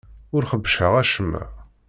Ur xebbceɣ acemma.